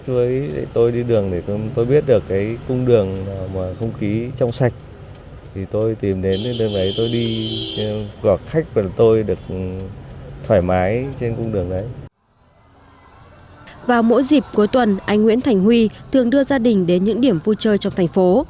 vào mỗi dịp cuối tuần anh nguyễn thành huy thường đưa gia đình đến những điểm vui chơi trong thành phố